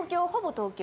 東京。